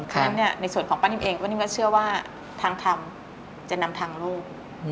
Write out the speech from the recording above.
ฉะนั้นในส่วนของป้านิ่มเองวันนี้ก็เชื่อว่าทางทำจะนำทางลูก